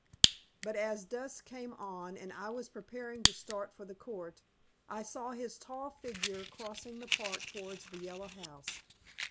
But as dusk came on, and I was preparing to start for the Court, I saw his tall figure crossing the park towards the Yellow House.